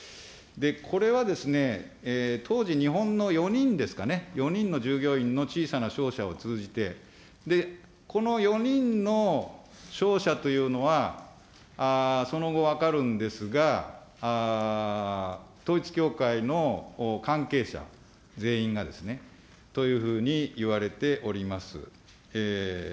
これはですね、当時、日本の４人ですかね、４人の従業員の小さな商社を通じて、この４人の商社というのは、その後分かるんですが、統一教会の関係者、全員がですね、というふうにいわれております。